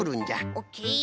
オッケー。